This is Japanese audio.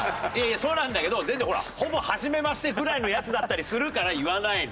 そうなんだけど全然ほらほぼはじめましてぐらいのヤツだったりするから言わないの。